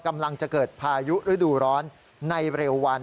กำลังจะเกิดพายุฤดูร้อนในเร็ววัน